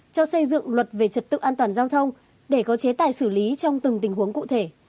cho xây dựng luật về trật tự an toàn giao thông để có chế tài xử lý trong từng tình huống cụ thể